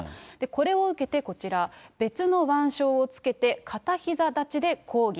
これを受けて、こちら、別の腕章をつけて片ひざ立ちで抗議。